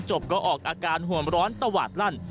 ก็ออกอาการห่วงร้อนตวาดลั่น